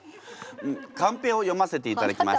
カンペを読ませていただきます。